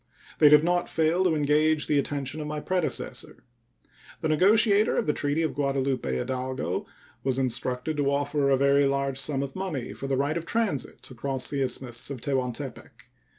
They did not fail to engage the attention of my predecessor. The negotiator of the treaty of Guadalupe Hidalgo was instructed to offer a very large sum of money for the right of transit across the Isthmus of Tehuantepec.